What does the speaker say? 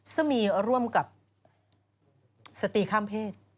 สมีย์ร่วมกับสตีข้ามเพศ